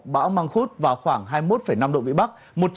bão mang khúc vào khoảng hai mươi một năm độ vĩ bắc